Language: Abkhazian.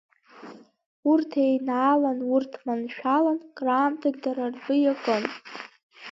Урҭ еинаалан, урҭ маншәалан, краамҭагь дара ртәы иакын.